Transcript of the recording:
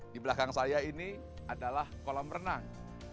di belakang saya ini adalah kolam renang